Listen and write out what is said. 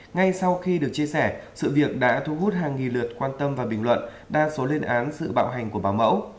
ngay sau khi được chia sẻ sự việc đã thu hút hàng nghìn lượt quan tâm và bình luận đa số lên án sự bạo hành của bảo mẫu